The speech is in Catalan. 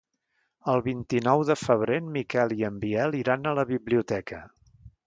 El vint-i-nou de febrer en Miquel i en Biel iran a la biblioteca.